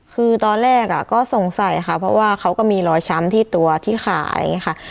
คือตอนแรกก็สงสัยค่ะเพราะว่าเขาก็มีรอยช้ำที่ตัวที่ขาอย่างนี้ค่ะ